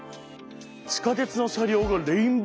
地下鉄の車両がレインボーカラー。